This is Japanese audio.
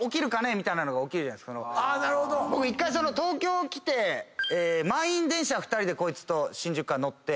僕１回東京来て満員電車２人でこいつと新宿から乗って。